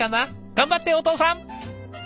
頑張ってお父さん！